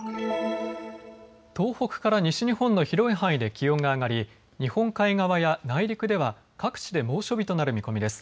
東北から西日本の広い範囲で気温が上がり日本海側や内陸では各地で猛暑日となる見込みです。